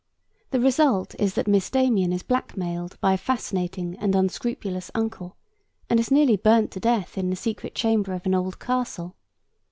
The result is that Miss Damien is blackmailed by a fascinating and unscrupulous uncle and is nearly burnt to death in the secret chamber of an old castle.